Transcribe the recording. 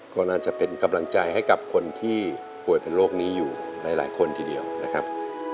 ก็น่าจะเป็นกำลังใจให้กับคนที่ป่วยเป็นโรคนี้อยู่หลายคนทีเดียวนะครับ